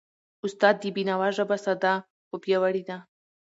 استاد د بینوا ژبه ساده، خو پیاوړی ده.